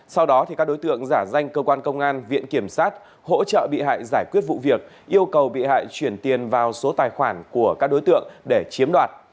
sau đó các đối tượng giả danh cơ quan công an viện kiểm sát hỗ trợ bị hại giải quyết vụ việc yêu cầu bị hại chuyển tiền vào số tài khoản của các đối tượng để chiếm đoạt